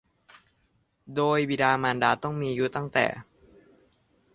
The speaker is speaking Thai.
โดยบิดามารดาต้องมีอายุตั้งแต่